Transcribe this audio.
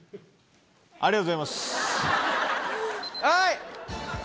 はい！